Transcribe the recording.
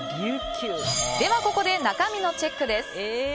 ここで中身のチェックです。